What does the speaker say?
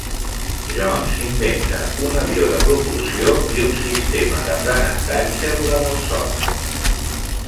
Jones inventa un avió de propulsió i un sistema d'aprenentatge durant el son.